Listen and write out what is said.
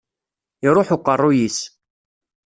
Iruḥ uqerruy-is.